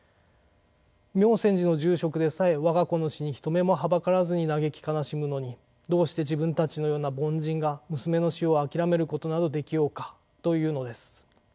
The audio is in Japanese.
明専寺の住職でさえ我が子の死に人目もはばからずに嘆き悲しむのにどうして自分たちのような凡人が娘の死を諦めることなどできようかというのです。